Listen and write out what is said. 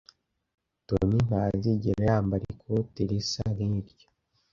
Toni ntazigera yambara ikote risa nkiryo.